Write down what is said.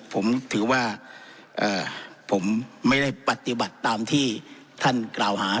ผมถือว่าผมไม่ได้ปฏิบัติตามที่ท่านกล่าวหา